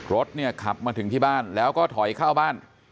รถเนี่ยขับมาถึงที่บ้านแล้วก็ถอยเข้าบ้าน